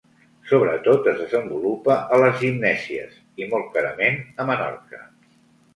Sobretot es desenvolupa a les Gimnèsies, i molt clarament a Menorca.